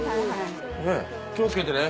気を付けてね。